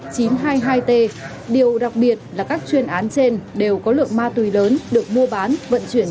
điều đặc biệt là các chuyên án trên đều có lượng ma túy lớn được mua bán vận chuyển